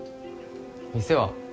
店は？